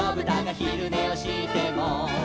「ひるねをしても」